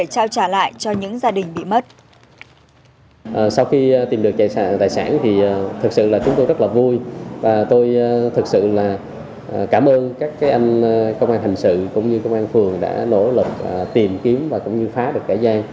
sau khi tìm được tài sản thì thực sự là chúng tôi rất là vui và tôi thực sự là cảm ơn các anh công an hình sự cũng như công an phường đã nỗ lực tìm kiếm và cũng như phá được kẻ gian